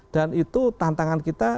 dan itu tantangan kita